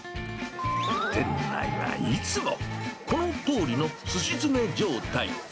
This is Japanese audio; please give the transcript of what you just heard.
店内はいつもこのとおりのすし詰め状態。